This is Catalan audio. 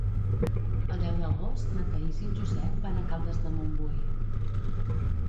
El deu d'agost na Thaís i en Josep van a Caldes de Montbui.